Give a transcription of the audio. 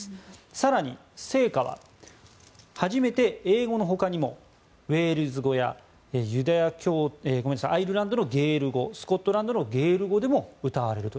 更に聖歌は初めて英語の他にもウェールズ語やアイルランドのゲール語スコットランドのゲール語でも歌われると。